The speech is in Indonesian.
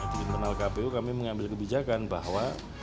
di internal kpu kami mengambil kebijakan bahwa